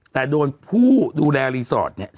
แต่โดนผู้ดูแลรีสอร์ทเนี่ย